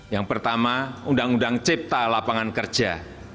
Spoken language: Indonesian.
yang pertama undang undang cipta lapangan kerja